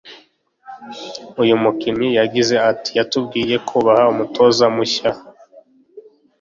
uyu mukinnyi yagize ati “Yatubwiye kubaha umutoza mushya